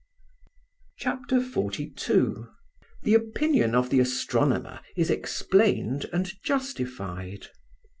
'" CHAPTER XLII THE OPINION OF THE ASTRONOMER IS EXPLAINED AND JUSTIFIED.